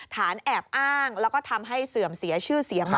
แอบอ้างแล้วก็ทำให้เสื่อมเสียชื่อเสียงมา